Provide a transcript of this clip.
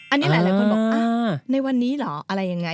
อันนี้หลายคนบอกในวันนี้เหรออะไรยังไง